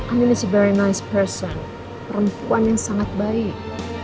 andin adalah orang yang sangat baik